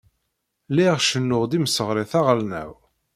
Lliɣ cennuɣ-d imseɣret aɣelnaw.